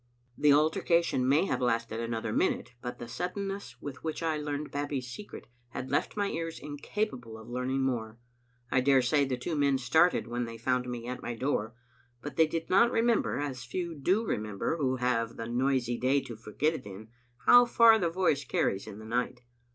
The altercation may have lasted another minute, but the suddenness with which I learned Babbie's secret had left my ears incapable of learning more. I daresay the two men started when they found me at my door, but they did not remember, as few do remember who have the noisy day to forget it in, how far the voice carries in the night.